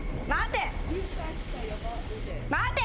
待て。